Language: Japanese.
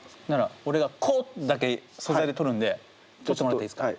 俺が「コ」だけ素材で録るんで録ってもらっていいですか？